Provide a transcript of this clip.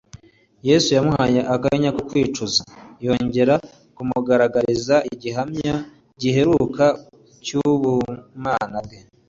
Yesu yamuhaye akanya ko kwicuza, yongera kumugaragariza igihamya giheruka cy'ubumana bwe,